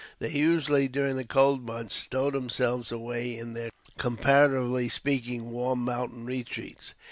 They, usually, during the cold months, stow themselves away in their, comparatively speaking, warm mountain retreats.